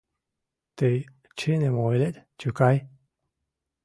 — Тый чыным ойлет, чукай!